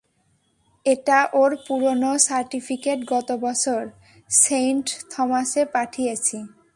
এটা ওর পুরোনো সার্টিফিকেট গতবছর সেইন্ট থমাসে পাঠিয়েছি।